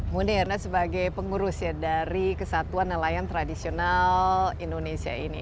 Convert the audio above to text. mune ya karena sebagai pengurus ya dari kesatuan nelayan tradisional indonesia ini